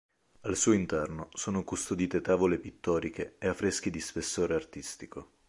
Al suo interno sono custodite tavole pittoriche ed affreschi di spessore artistico.